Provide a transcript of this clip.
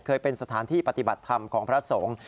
เคยเป็นสถานที่ปฏิบัติธรรมของพระสงฆ์